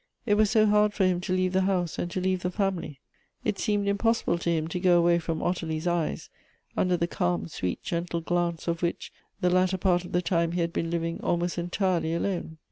It was so hard for him to leave the house, and to leave the family. It seemed impossible to him to go away from Ottilie's eyes, under the calm, sweet,' gentle glance of which the latter part of the time he had been living almost entirely alone.